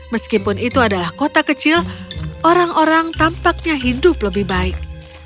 meskipun itu adalah kota kecil orang orang tampaknya hidup lebih baik